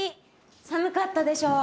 寒かったでしょ？